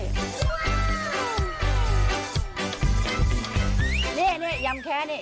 นี่นี่ยำแคะนี่ยำแคะนี่